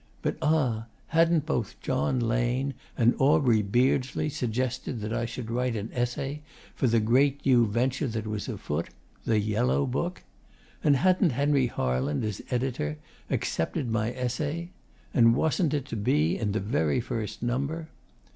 But ah! hadn't both John Lane and Aubrey Beardsley suggested that I should write an essay for the great new venture that was afoot 'The Yellow Book'? And hadn't Henry Harland, as editor, accepted my essay? And wasn't it to be in the very first number?